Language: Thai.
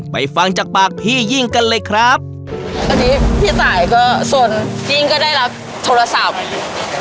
ฟังจากปากพี่ยิ่งกันเลยครับอันนี้พี่ตายก็ส่วนยิ่งก็ได้รับโทรศัพท์